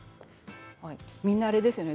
みんなあれですよね？